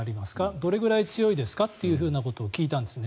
どれくらい強いですか？ということを聞いたんですね。